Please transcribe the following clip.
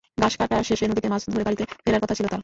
ঘাস কাটা শেষে নদীতে মাছ ধরে বাড়িতে ফেরার কথা ছিল তাঁর।